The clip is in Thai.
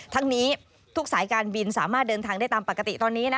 ทั้งนี้ทุกสายการบินสามารถเดินทางได้ตามปกติตอนนี้นะ